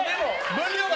分量が！